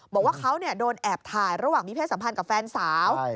บอกว่าเขาโดนแอบถ่ายระหว่างมีเพศสัมพันธ์กับแฟนสาว